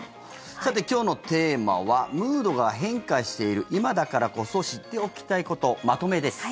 さて、今日のテーマはムードが変化している今だからこそ知っておきたいことまとめです。